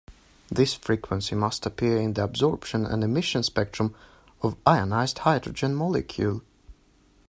This frequency must appear in the absorption and emission spectrum of ionized hydrogen molecule.